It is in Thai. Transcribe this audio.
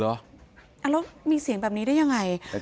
แล้วมีเสียงแบบนี้ได้ยังไง